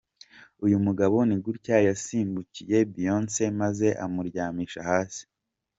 Uyu mugabo ni gutya yasimbukiye Beyonce maze amuryamisha hasi.